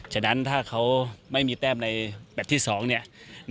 ฉะนั้นถ้าเขาไม่มีแต้มในแมทที่๒เนี่ย